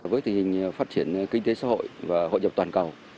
với tình hình phát triển kinh tế xã hội và hội nhập toàn cầu